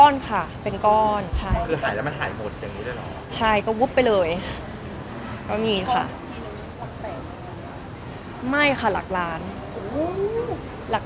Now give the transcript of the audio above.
ไม่ครับหลากร้านหลากร้านประมาณ๓หลานหลังมา๕หลาน